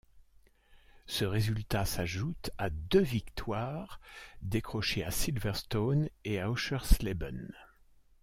Ce résultat s'ajoute à deux victoires, décrochées à Silverstone et Öschersleben.